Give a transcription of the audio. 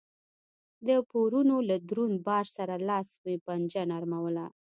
د پورونو له دروند بار سره لاس و پنجه نرموله